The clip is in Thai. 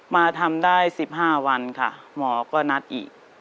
มาทำได้๑๕วันค่ะหมอก็นัดอีก